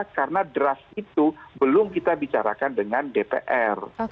karena draft itu belum kita bicarakan dengan dpr